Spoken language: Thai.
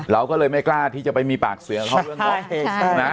เราก็เลยไม่กล้าที่จะไปมีปากเสือกับเรื่องนี้